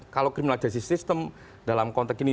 kalau criminal justice system dalam konteks ini